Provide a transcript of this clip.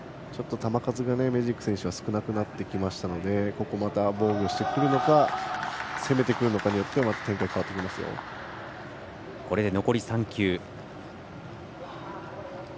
メジーク選手球数、少なくなってきたのでここまた防御してくるのか攻めてくるのかによって残り３球。